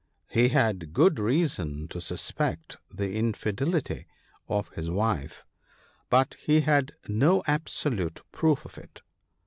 He had good reason to suspect the infidelity of his wife, but he had no absolute proof of it.